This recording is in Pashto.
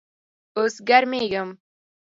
اوس ګرمیږم